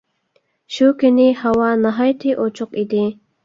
شۇ كۈنى ھاۋا ناھايىتى ئوچۇق ئىدى.